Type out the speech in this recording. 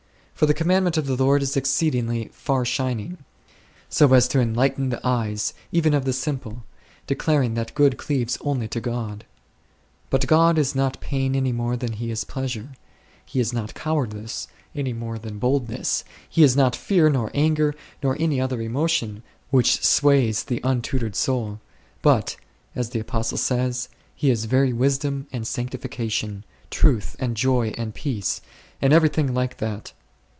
For the commandment of the Lord is exceedingly far shining, so as to "enlighten the eyes " even of "the simple 9," declaring that good cleaveth only unto God. But God is not pain any more than He is pleasure ; He is not cowardice any more than boldness ; He is not fear, nor anger, nor any other emotion which sways the untutored soul, but, as the Apostle says, He is Very Wisdom and Sanctification, Truth and Joy and Peace, and everything like that.